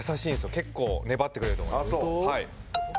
結構粘ってくれると思います。